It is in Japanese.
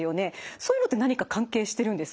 そういうのって何か関係してるんですか？